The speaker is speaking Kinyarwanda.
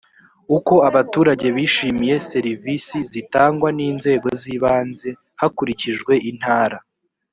uko abaturage bishimiye serivisi zitangwa n inzego z ibanze hakurikijwe intara